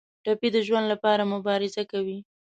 ټپي د ژوند لپاره مبارزه کوي.